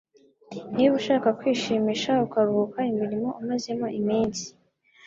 Niba ushaka kwishimisha ukaruhuka imirimo umazemo iminsi,